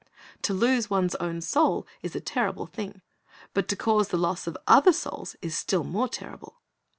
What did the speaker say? To lose one's own soul is a terrible thing; but to cause the loss of other souls is still more terrible.